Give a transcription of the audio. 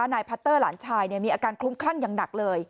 นายพัตเตอร์หลานชายมีอาการคลุ้มคลั่งอย่างหนักเลย